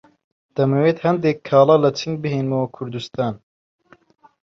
دەمەوێت هەندێک کاڵا لە چین بهێنمەوە کوردستان.